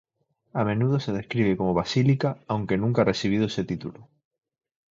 A menudo se describe como basílica aunque nunca ha recibido ese título.